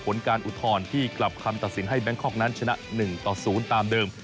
ผลการอุทธรณ์ที่กลับคำตัดสินให้แบงคอกนั้นชนะ๑ต่อ๐ตามเดิม